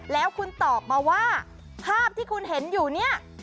แล้วคุณตอบมาว่าภาพที่คุณเห็นอยู่เนี่ย